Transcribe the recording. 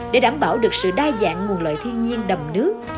để đảm bảo được sự đa dạng nguồn lợi thiên nhiên đầm nước